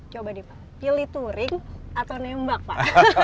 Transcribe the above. coba nih pak pilih touring atau nembak pak